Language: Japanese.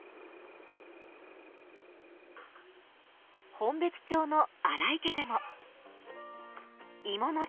本別町の荒井家でも。